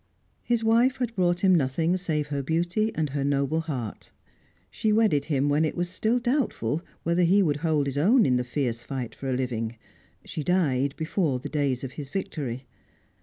His wife had brought him nothing save her beauty and her noble heart. She wedded him when it was still doubtful whether he would hold his own in the fierce fight for a living; she died before the days of his victory.